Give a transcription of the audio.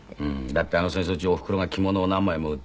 だってあの戦争中おふくろが着物を何枚も売ったりね。